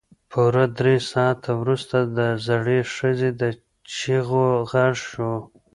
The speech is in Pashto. پوره درې ساعته وروسته د زړې ښځې د چيغو غږ شو.